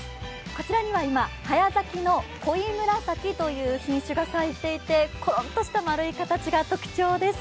こちらには今早咲きのコイムラサキという品種が咲いていてコロンとした丸い形が特徴です。